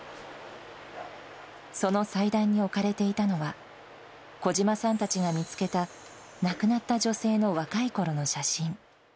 その祭壇に置かれていたのは、小島さんたちが見つけた亡くなった女性の若いころの写真。